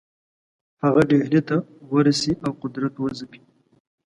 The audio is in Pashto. هغه ډهلي ته ورسي او قدرت وځپي.